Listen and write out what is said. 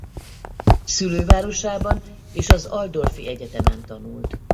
Szülővárosában és az altdorfi egyetemen tanult.